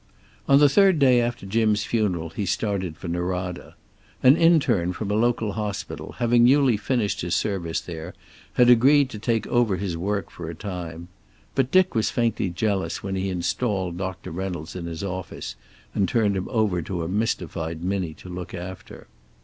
On the third day after Jim's funeral he started for Norada. An interne from a local hospital, having newly finished his service there, had agreed to take over his work for a time. But Dick was faintly jealous when he installed Doctor Reynolds in his office, and turned him over to a mystified Minnie to look after.